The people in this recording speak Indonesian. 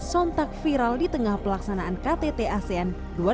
sontak viral di tengah pelaksanaan ktt asean dua ribu dua puluh